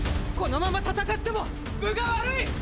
このまま戦っても分が悪い！！